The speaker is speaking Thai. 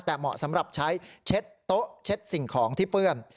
แต่เหมาะสำหรับใช้เช็ดโต๊ะเช็ดสิ่งของที่เปื้อน